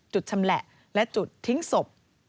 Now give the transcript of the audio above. ชำแหละและจุดทิ้งศพ